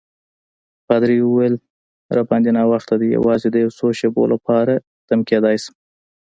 پادري وویل: راباندي ناوخته دی، یوازې د یو څو شېبو لپاره تم کېدای شم.